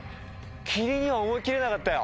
「きり」には思い切れなかったよ。